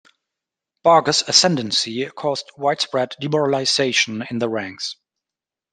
Barger's ascendancy caused widespread demoralization in the ranks.